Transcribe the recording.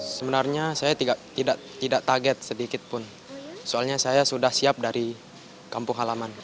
sebenarnya saya tidak target sedikit pun soalnya saya sudah siap dari kampung halaman